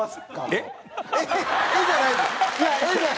「えっ？」じゃないよ。